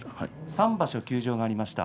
３場所、休場がありました。